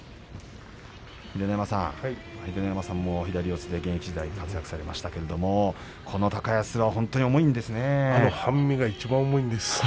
秀ノ山さん秀ノ山さんも左四つで現役時代活躍されましたけどこの高安は本当に重いですね。